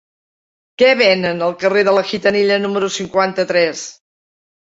Què venen al carrer de la Gitanilla número cinquanta-tres?